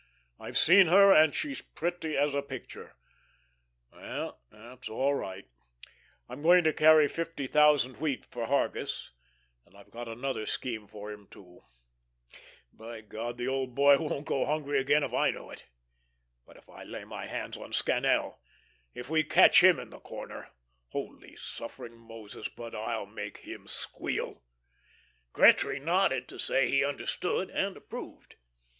I've seen her, and she's pretty as a picture. Well, that's all right; I'm going to carry fifty thousand wheat for Hargus, and I've got another scheme for him, too. By God, the poor old boy won't go hungry again if I know it! But if I lay my hands on Scannel if we catch him in the corner holy, suffering Moses, but I'll make him squeal!" Gretry nodded, to say he understood and approved.